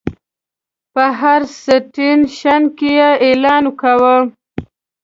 په هر سټیشن کې یې اعلان کاوه.